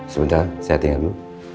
sebentar saya tinggal dulu